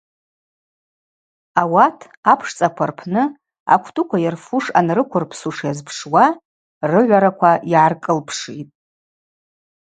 Ауат, апшцӏаква рпны аквтӏуква йырфуш анрыквырпсуш йазпшуа, рыгӏвараква йгӏаркӏылпшитӏ.